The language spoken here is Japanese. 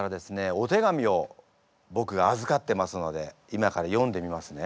お手紙を僕が預かってますので今から読んでみますね。